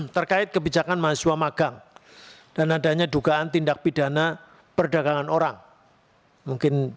terkait kebijakan mahasiswa magang dan adanya dugaan tindak pidana perdagangan orang mungkin